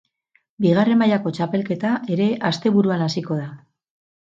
Bigarren mailako txapelketa ere asteburuan hasiko da.